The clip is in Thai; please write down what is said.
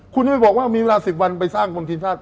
คุณไม่บอกว่ามีเวลา๑๐วันไปสร้างบนทีมชาติ